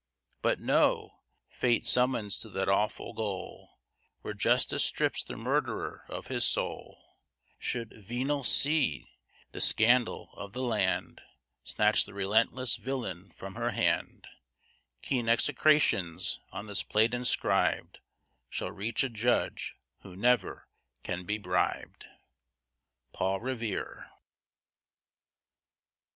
But know, Fate summons to that awful goal, Where justice strips the murderer of his soul: Should venal C ts, the scandal of the land, Snatch the relentless villain from her hand, Keen execrations on this plate inscrib'd Shall reach a judge who never can be bribed. PAUL REVERE.